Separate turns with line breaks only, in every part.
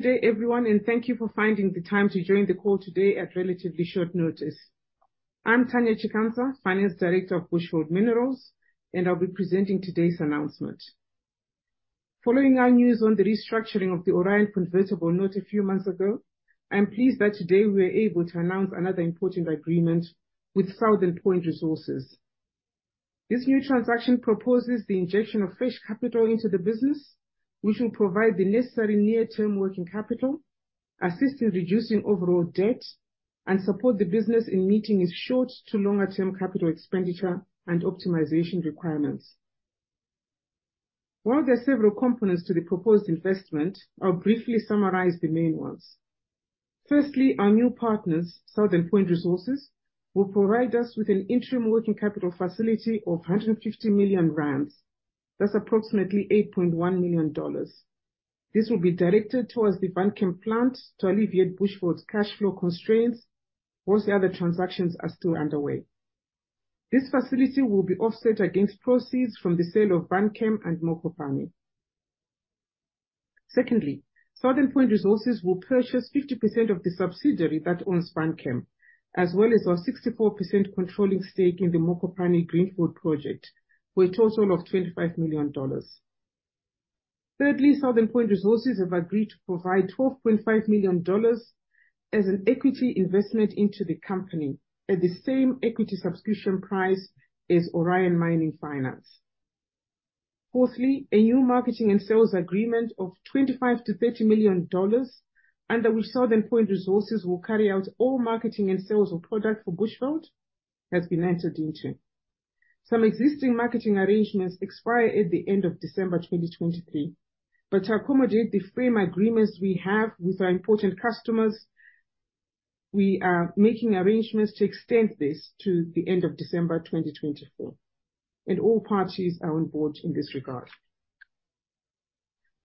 Good day everyone, and thank you for finding the time to join the call today at relatively short notice. I'm Tanya Chikanza, Finance Director of Bushveld Minerals, and I'll be presenting today's announcement. Following our news on the restructuring of the Orion convertible note a few months ago, I am pleased that today we are able to announce another important agreement with Southern Point Resources. This new transaction proposes the injection of fresh capital into the business, which will provide the necessary near-term working capital, assist in reducing overall debt, and support the business in meeting its short to longer term capital expenditure and optimization requirements. While there are several components to the proposed investment, I'll briefly summarize the main ones. Firstly, our new partners, Southern Point Resources, will provide us with an interim working capital facility of 150 million rand. That's approximately $8.1 million. This will be directed toward the Vanchem plant to alleviate Bushveld's cash flow constraints, while the other transactions are still underway. This facility will be offset against proceeds from the sale of Vanchem and Mokopane. Secondly, Southern Point Resources will purchase 50% of the subsidiary that owns Vanchem, as well as our 64% controlling stake in the Mokopane greenfield project, for a total of $25 million. Thirdly, Southern Point Resources have agreed to provide $12.5 million as an equity investment into the company at the same equity subscription price as Orion Mine Finance. Fourthly, a new marketing and sales agreement of $25 million-$30 million, under which Southern Point Resources will carry out all marketing and sales of product for Bushveld, has been entered into. Some existing marketing arrangements expire at the end of December 2023, but to accommodate the frame agreements we have with our important customers, we are making arrangements to extend this to the end of December 2024, and all parties are on board in this regard.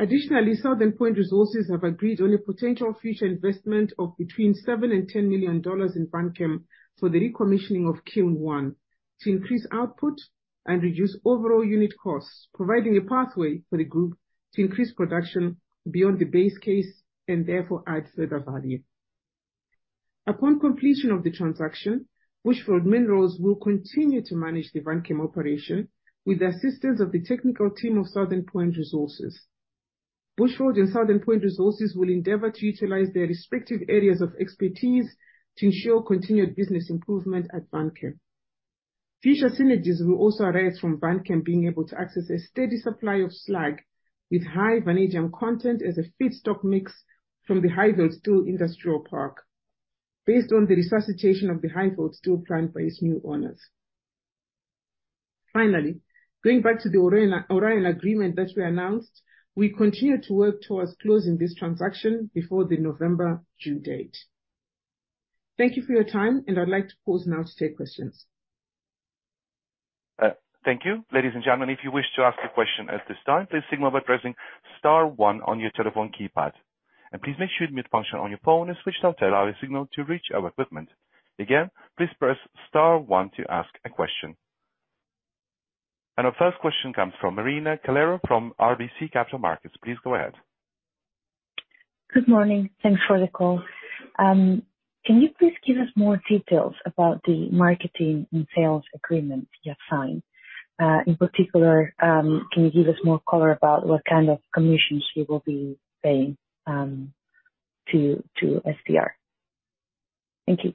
Additionally, Southern Point Resources have agreed on a potential future investment of between $7 million and $10 million in Vanchem for the recommissioning of Kiln One, to increase output and reduce overall unit costs, providing a pathway for the group to increase production beyond the base case and therefore add further value. Upon completion of the transaction, Bushveld Minerals will continue to manage the Vanchem operation with the assistance of the technical team of Southern Point Resources. Bushveld and Southern Point Resources will endeavor to utilize their respective areas of expertise to ensure continued business improvement at Vanchem. Future synergies will also arise from Vanchem being able to access a steady supply of slag with high vanadium content as a feedstock mix from the Highveld Steel Industrial Park, based on the resuscitation of the Highveld steel plant by its new owners. Finally, going back to the Orion, Orion agreement that we announced, we continue to work towards closing this transaction before the November due date. Thank you for your time, and I'd like to pause now to take questions.
Thank you. Ladies and gentlemen, if you wish to ask a question at this time, please signal by pressing star one on your telephone keypad. Please make sure your mute function on your phone is switched on to allow a signal to reach our equipment. Again, please press star one to ask a question. Our first question comes from Marina Calero from RBC Capital Markets. Please go ahead.
Good morning. Thanks for the call. Can you please give us more details about the marketing and sales agreement you have signed? In particular, can you give us more color about what kind of commissions you will be paying to SPR? Thank you.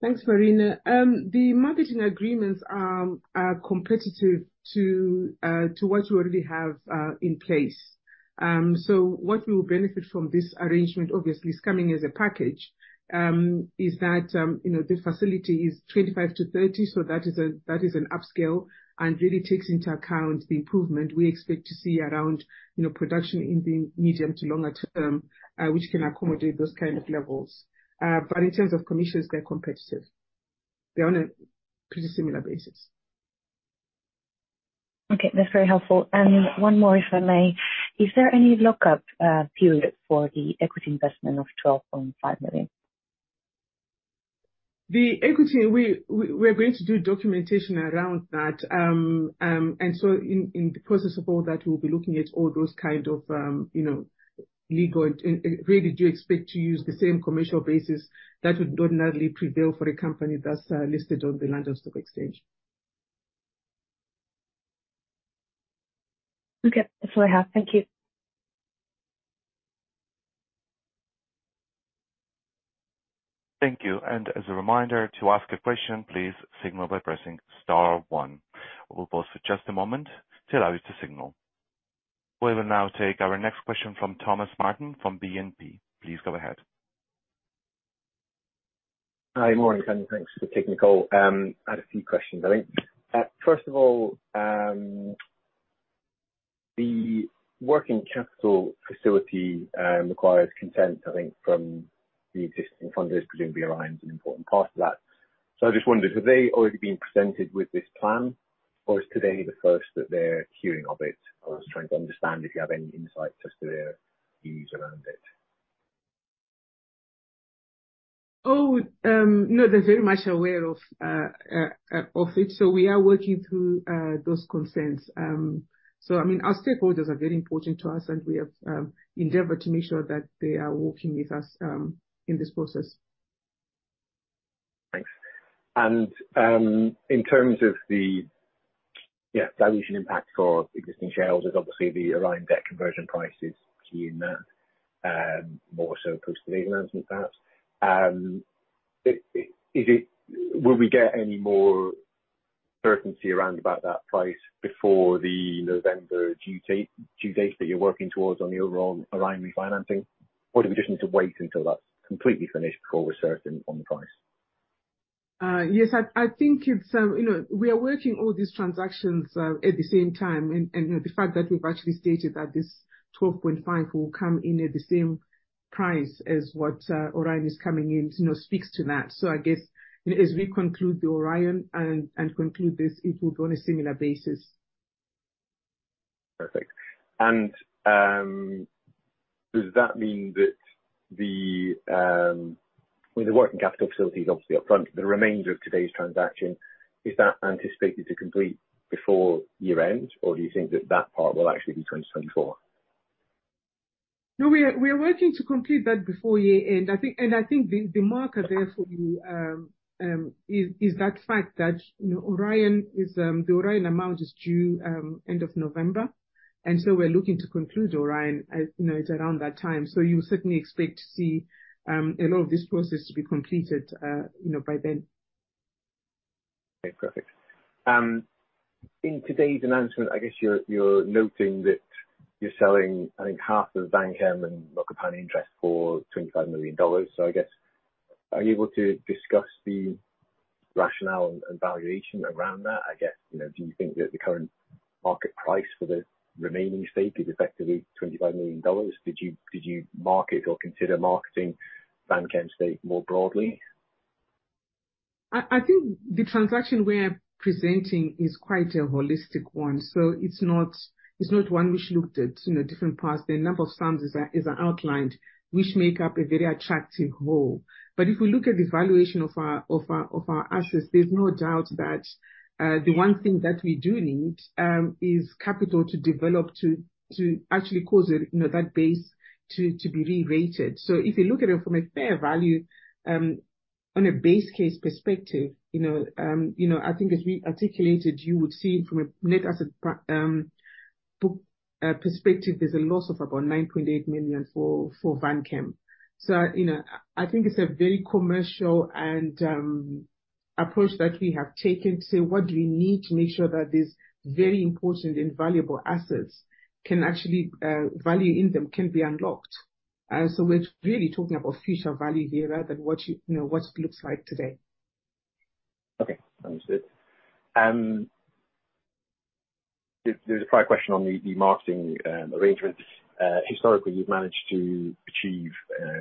Thanks, Marina. The marketing agreements are competitive to what we already have in place. So what we will benefit from this arrangement, obviously it's coming as a package, is that, you know, the facility is $25 million-$30 million, so that is a, that is an upscale, and really takes into account the improvement we expect to see around, you know, production in the medium to longer term, which can accommodate those kind of levels. But in terms of commissions, they're competitive. They're on a pretty similar basis.
Okay. That's very helpful. And one more, if I may. Is there any lockup period for the equity investment of $12.5 million?
The equity, we're going to do documentation around that. And so in the process of all that, we'll be looking at all those kind of, you know, legal and, and really do expect to use the same commercial basis that would ordinarily prevail for a company that's listed on the London Stock Exchange.
Okay. That's all I have. Thank you.
Thank you. As a reminder, to ask a question, please signal by pressing star one. We will pause for just a moment to allow you to signal. We will now take our next question from Thomas Martin, from BNP. Please go ahead.
Hi, morning, Tanya. Thanks for taking the call. I had a few questions, I think. First of all, the working capital facility requires consent, I think, from the existing funders, presumably Orion's an important part of that. So I just wondered, have they already been presented with this plan, or is today the first that they're hearing of it? I was trying to understand if you have any insight as to their views around it.
Oh, no, they're very much aware of it, so we are working through those concerns. So I mean, our stakeholders are very important to us, and we have endeavored to make sure that they are working with us in this process.
Thanks. In terms of the, yeah, dilution impact for existing shareholders, obviously, the Orion debt conversion price is key in that, more so post to the announcement perhaps. Will we get any more certainty around about that price before the November due date that you're working towards on the overall Orion refinancing? Or do we just need to wait until that's completely finished before we're certain on the price?
Yes, I think it's, you know, we are working all these transactions at the same time. And, you know, the fact that we've actually stated that this $12.5 will come in at the same price as what Orion is coming in, you know, speaks to that. So I guess, you know, as we conclude the Orion and conclude this, it will be on a similar basis.
Perfect. Does that mean that the, with the working capital facility obviously upfront, the remainder of today's transaction, is that anticipated to complete before year-end? Or do you think that that part will actually be 2024?
No, we are working to complete that before year-end. I think. I think the marker therefore will is that fact that, you know, Orion is the Orion amount is due end of November, and so we're looking to conclude Orion, as you know, at around that time. So you certainly expect to see a lot of this process to be completed, you know, by then.
Okay, perfect. In today's announcement, I guess you're noting that you're selling, I think, half of Vanchem and Mokopane interest for $25 million. So I guess, are you able to discuss the rationale and valuation around that? I guess, you know, do you think that the current market price for the remaining stake is effectively $25 million? Did you market or consider marketing Vanchem stake more broadly?
I think the transaction we're presenting is quite a holistic one, so it's not one which looked at, you know, different parts. The number of sums is outlined, which make up a very attractive whole. But if we look at the valuation of our assets, there's no doubt that the one thing that we do need is capital to develop to actually cause it, you know, that base to be re-rated. So if you look at it from a fair value on a base case perspective, you know, I think as we articulated, you would see from a net asset per book perspective, there's a loss of about $9.8 million for Vanchem. So, you know, I think it's a very commercial and approach that we have taken to say, what do we need to make sure that these very important and valuable assets can actually value in them can be unlocked? So we're really talking about future value here rather than what it, you know, what it looks like today.
Okay, understood. There's a prior question on the marketing arrangements. Historically, you've managed to achieve,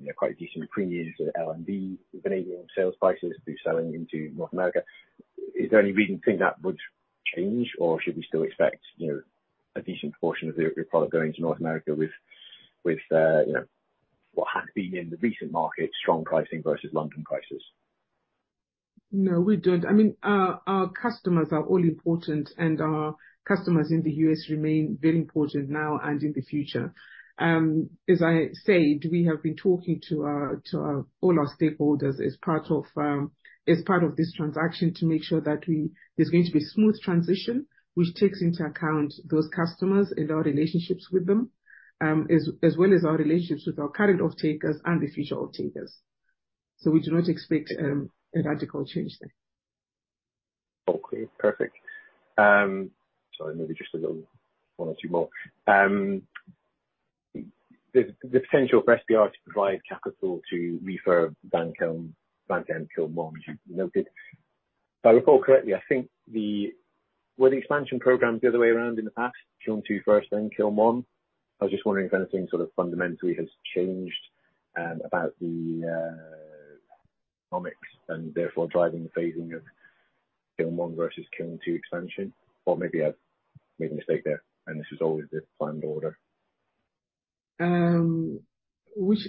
you know, quite decent premiums for LMB vanadium sales prices to be selling into North America. Is there any reason to think that would change, or should we still expect, you know, a decent portion of your product going to North America with, you know, what has been in the recent market, strong pricing versus London prices?
No, we don't. I mean, our customers are all important, and our customers in the U.S. remain very important now and in the future. As I said, we have been talking to all our stakeholders as part of this transaction, to make sure that there's going to be a smooth transition, which takes into account those customers and our relationships with them, as well as our relationships with our current off-takers and the future off-takers. So we do not expect a radical change there.
All clear. Perfect. Sorry, maybe just a little one or two more. The potential for SPR to provide capital to refurb Vanchem, Vanchem Kiln One, as you noted. If I recall correctly, I think the... Were the expansion programs the other way around in the past, Kiln Two first, then Kiln One? I was just wondering if anything sort of fundamentally has changed about the economics and therefore driving the phasing of Kiln One versus Kiln Two expansion. Or maybe I've made a mistake there, and this is always the planned order.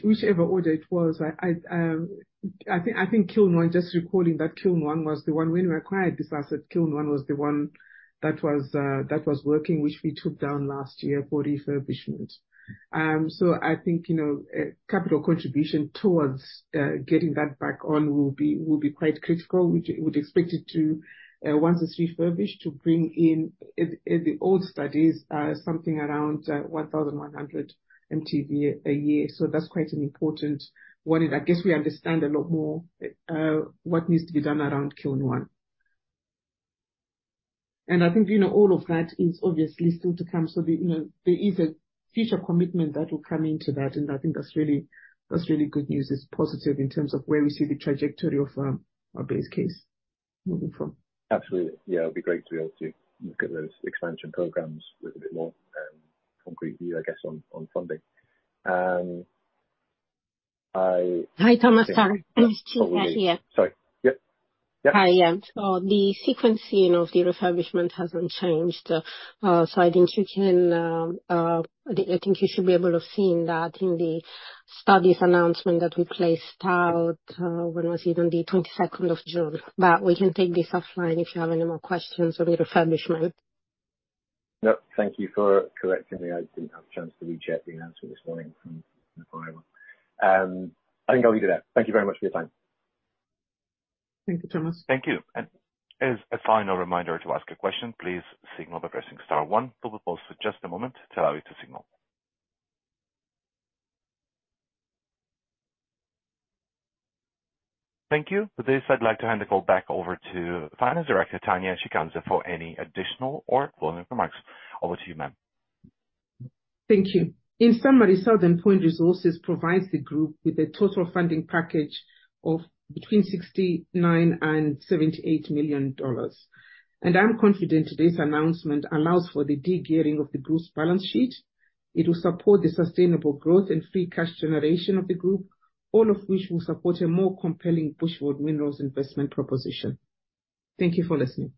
Whichever order it was, I think Kiln One, just recalling that Kiln One was the one, when we acquired this asset, Kiln One was the one that was working, which we took down last year for refurbishment. So I think, you know, capital contribution towards getting that back on will be quite critical. We would expect it to, once it's refurbished, to bring in in the old studies something around 1,100 MTV a year. So that's quite an important one, and I guess we understand a lot more what needs to be done around Kiln One. And I think, you know, all of that is obviously still to come. So there, you know, there is a future commitment that will come into that, and I think that's really, that's really good news. It's positive in terms of where we see the trajectory of, our base case moving forward.
Absolutely. Yeah, it'll be great to be able to look at those expansion programs with a bit more concrete view, I guess, on, on funding.
Hi, Thomas, sorry.
Oh, sorry. Yep.
Yeah. So the sequencing of the refurbishment hasn't changed. So I think you should be able to have seen that in the studies announcement that we placed out, when was it? On the twenty-second of June. But we can take this offline if you have any more questions on the refurbishment.
Nope. Thank you for correcting me. I didn't have a chance to recheck the announcement this morning from the prior one. I think I'll leave it at that. Thank you very much for your time.
Thank you, Thomas.
Thank you. As a final reminder to ask a question, please signal by pressing star one. We will pause for just a moment to allow you to signal. Thank you. With this, I'd like to hand the call back over to Finance Director Tanya Chikanza for any additional or closing remarks. Over to you, ma'am.
Thank you. In summary, Southern Point Resources provides the group with a total funding package of between $69 million and $78 million. I'm confident today's announcement allows for the de-gearing of the group's balance sheet. It will support the sustainable growth and free cash generation of the group, all of which will support a more compelling Bushveld Minerals investment proposition. Thank you for listening.